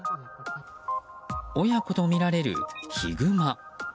親子とみられるヒグマ。